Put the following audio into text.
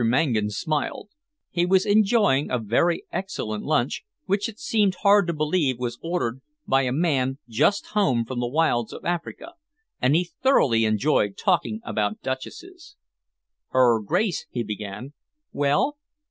Mangan smiled. He was enjoying a very excellent lunch, which it seemed hard to believe was ordered by a man just home from the wilds of Africa, and he thoroughly enjoyed talking about duchesses. "Her Grace," he began "Well?"